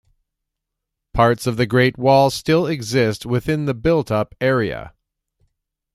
Parts of the Great Wall still exist within the built-up area.